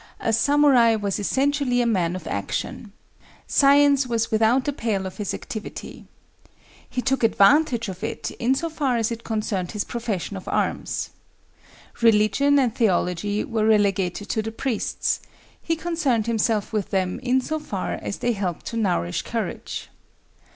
A samurai was essentially a man of action. Science was without the pale of his activity. He took advantage of it in so far as it concerned his profession of arms. Religion and theology were relegated to the priests; he concerned himself with them in so far as they helped to nourish courage.